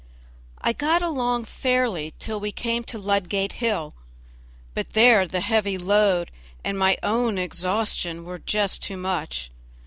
I got along fairly till we came to Ludgate Hill; but there the heavy load and my own exhaustion were too much.